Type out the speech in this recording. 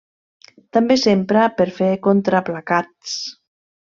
També s'empra per fer contraplacats.